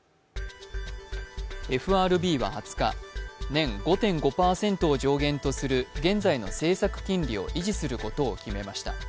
ＦＲＢは２０日、年５．５％を上限とする現在の政策金利を維持することを決めました。